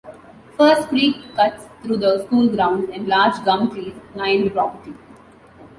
First Creek cuts through the school grounds and large gum trees line the property.